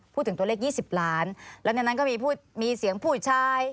พูดถึงตัวเลข๒๐ล้านแล้วในนั้นก็มีเสียงผู้ชาย